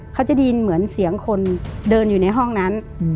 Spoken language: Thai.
เขาจะได้ยินเหมือนเสียงคนเดินอยู่ในห้องนั้น